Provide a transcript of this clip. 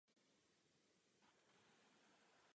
Proto bych chtěl naprosto jasně prohlásit, co očekáváme.